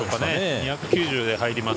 ２９０で入ります。